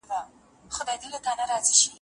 د کابل هرې کوڅې سره اشنا وم